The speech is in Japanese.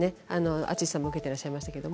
淳さんも言ってらっしゃいましたけど